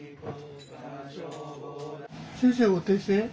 先生お手製？